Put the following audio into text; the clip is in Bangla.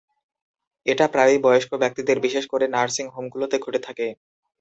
এটা প্রায়ই বয়স্ক ব্যক্তিদের, বিশেষ করে নার্সিং হোমগুলোতে ঘটে থাকে।